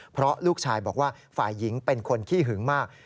เพราะลูกชายบอกว่าฝ่ายหญิงเป็นคนขี้หึงมาก